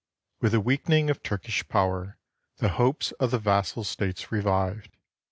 With the weakening of Turkish power, the hopes of the vassal states revived.